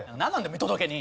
見届け人！